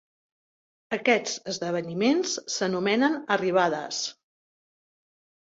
Aquests esdeveniments s'anomenen arribadas.